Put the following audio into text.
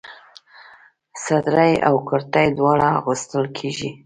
صدرۍ او کرتۍ دواړه اغوستل کيږي.